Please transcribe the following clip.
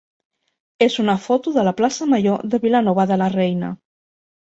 és una foto de la plaça major de Vilanova de la Reina.